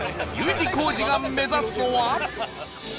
字工事が目指すのは